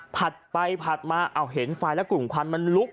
ไปผัดมาเห็นไฟแล้วกลุ่มควันมันลุก